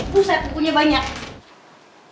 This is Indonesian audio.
buset bukunya banyak